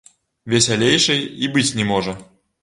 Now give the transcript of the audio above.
Весялейшай і быць не можа.